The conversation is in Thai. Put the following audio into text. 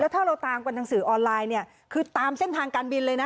แล้วถ้าเราตามบรรทางสื่อออนไลน์คือตามเส้นทางการบินเลยนะ